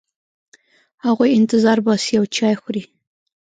هغوی انتظار باسي او چای خوري.